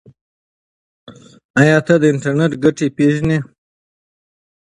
ایا ته د انټرنیټ ګټې پیژنې؟